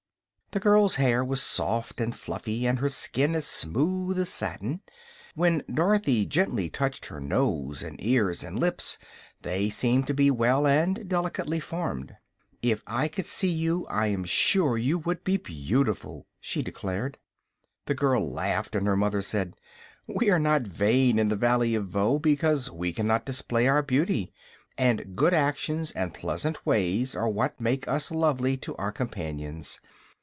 The girl's hair was soft and fluffy and her skin as smooth as satin. When Dorothy gently touched her nose and ears and lips they seemed to be well and delicately formed. "If I could see you I am sure you would be beautiful," she declared. The girl laughed, and her mother said: "We are not vain in the Valley of Voe, because we can not display our beauty, and good actions and pleasant ways are what make us lovely to our companions.